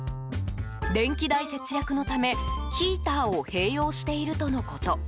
電気代節約のため、ヒーターを併用しているとのこと。